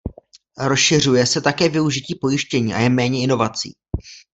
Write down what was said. Rozšiřuje se také využití pojištění a je méně inovací.